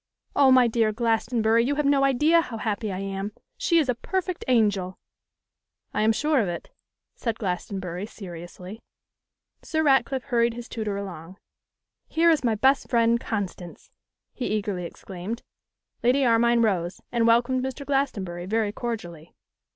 O! my dear Glastonbury, you have no idea how happy I am. She is a perfect angel.' 'I am sure of it,' said Glastonbury, seriously. Sir Ratcliffe hurried his tutor along. 'Here is my best friend, Constance,' he eagerly exclaimed. Lady Armine rose and welcomed Mr. Glastonbury very cordially.